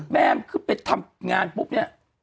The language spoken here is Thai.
แม่ทรงไปทำงานปุ๊บเนี่ย